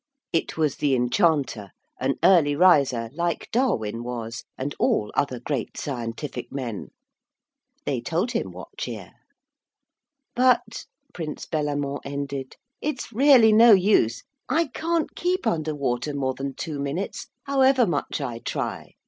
It was the Enchanter, an early riser, like Darwin was, and all other great scientific men. They told him what cheer. 'But,' Prince Bellamant ended, 'it's really no use. I can't keep under water more than two minutes however much I try.